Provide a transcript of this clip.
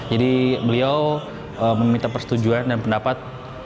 jadi beliau meminta persetujuan dan pendapat